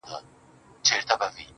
خدايه نری باران پرې وكړې.